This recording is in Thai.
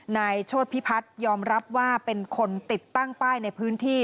โชธพิพัฒน์ยอมรับว่าเป็นคนติดตั้งป้ายในพื้นที่